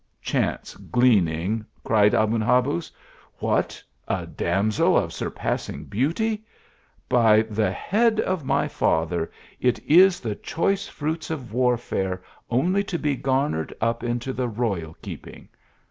" Chance gleaning !" cried Aben Habuz. " What ! a damsel of surpassing beauty ! By the head of my father ! it is the choice fruits of warfare, only to be garnered up into the royal k/^ping.